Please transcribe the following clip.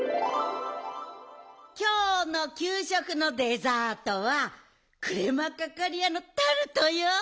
きょうのきゅうしょくのデザートはクレマカカリアのタルトよ。